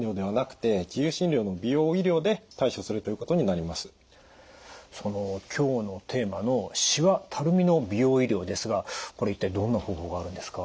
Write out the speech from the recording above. あくまでもその今日のテーマのしわ・たるみの美容医療ですがこれ一体どんな方法があるんですか？